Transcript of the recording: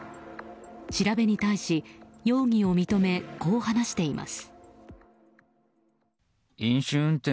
調べに対し容疑を認めこう話しています。